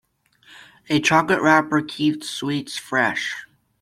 A chocolate wrapper keeps sweets fresh.